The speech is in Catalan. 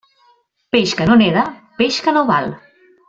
Peix que no neda, peix que no val.